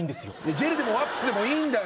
ジェルでもワックスでもいいんだよ